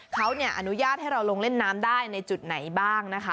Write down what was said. เขาอนุญาตให้เราลงเล่นน้ำได้ในจุดไหนบ้างนะคะ